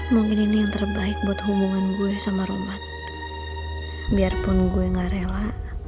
mungkin ini yang terbaik buat hubungan gue sama roma biarpun gue gak rela